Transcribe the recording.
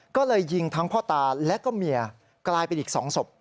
ก็เลยยิงทั้งพ่อตาและก็เมียกลายเป็นอีก๒ศพ